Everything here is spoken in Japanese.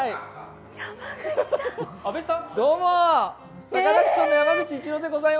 山口さん！